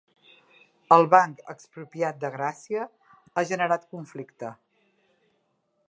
El Banc Expropiat de Gràcia ha generat conflicte